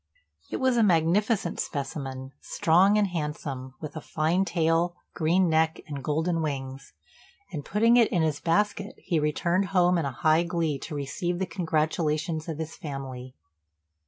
It was a magnificent specimen, strong and handsome, with a fine tail, green neck, and golden wings; and, putting it in his basket, he returned home in high glee to receive the congratulations of his family.